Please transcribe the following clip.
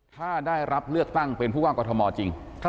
ถ้าได้รับเลือกตั้งเป็นผู้ว่ากรทมจริง